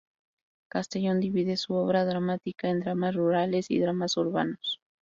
Castellón divide su obra dramática en dramas rurales y dramas urbanos.